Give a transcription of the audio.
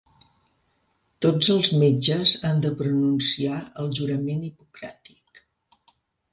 Tots els metges han de pronunciar el jurament hipocràtic.